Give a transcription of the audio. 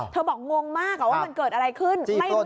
บอกงงมากว่ามันเกิดอะไรขึ้น